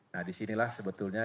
nah disinilah sebetulnya